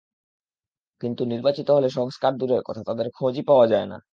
কিন্তু নির্বাচিত হলে সংস্কার দূরের কথা, তাঁদের খোঁজই পাওয়া যায় না।